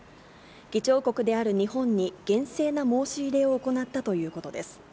議長国である日本に、厳正な申し入れを行ったということです。